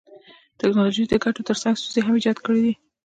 ټکنالوژي د ګټو تر څنګ ستونزي هم ایجاد کړيدي.